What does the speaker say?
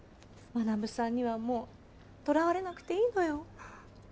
学さんにはもうとらわれなくていいのよ。